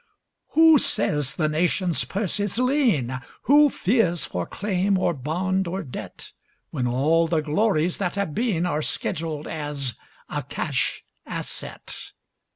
] Who says the Nation's purse is lean, Who fears for claim or bond or debt, When all the glories that have been Are scheduled as a cash asset?